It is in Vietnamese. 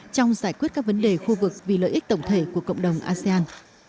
trong giải quyết các vấn đề khu vực vì lợi ích tổng thể của cộng đồng asean